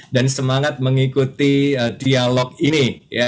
dan semangat mengikuti dialog ini